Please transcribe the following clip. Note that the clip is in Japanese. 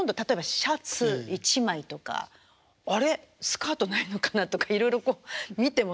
スカートないのかな？とかいろいろこう見てもないわけなんですよ。